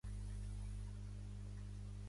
Són ocells granívors robusts i amb forts becs.